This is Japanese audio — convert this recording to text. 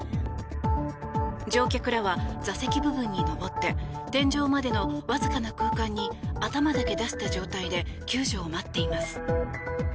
乗客らは座席部分に上って天井までのわずかな空間に頭だけ出した状態で救助を待っています。